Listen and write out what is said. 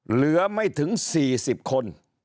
เหลือไม่ถึง๔๐คน